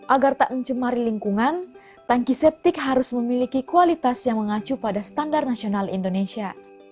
agar tak mencemari lingkungan tanki septik harus memiliki kualitas yang mengacu pada standar nasional indonesia